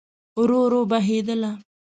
ورو، ورو بهیدله